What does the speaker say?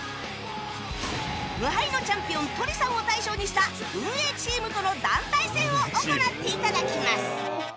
無敗のチャンピオンとりさんを大将にした運営チームとの団体戦を行って頂きます